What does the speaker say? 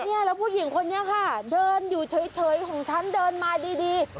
แล้วผู้หญิงคนนี้ค่ะเดินอยู่เฉยของฉันเดินมาดี